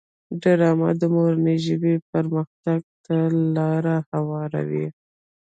ډرامه د مورنۍ ژبې پرمختګ ته لاره هواروي